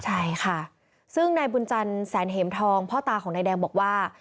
ใช่ค่ะซึ่งนายบุญจันทร์แสนเหมทองพ่อตาของนายแดงบอกว่า